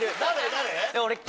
誰？